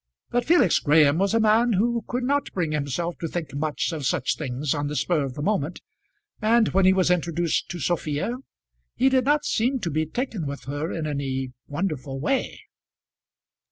But Felix Graham was a man who could not bring himself to think much of such things on the spur of the moment, and when he was introduced to Sophia, he did not seem to be taken with her in any wonderful way.